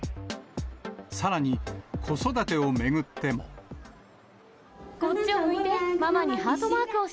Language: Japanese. さらに、こっちを向いて。